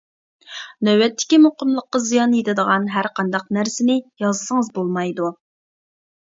نۆۋەتتىكى مۇقىملىققا زىيان يىتىدىغان ھەرقانداق نەرسىنى يازسىڭىز بولمايدۇ.